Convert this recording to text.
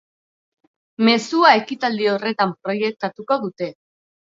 Mezua ekitaldi horretan proiektatuko dute.